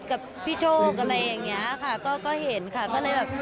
กับพี่โชกก็เห็นว่าเลย